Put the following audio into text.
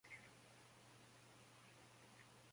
Murrow hace un show en el que ataca a McCarthy.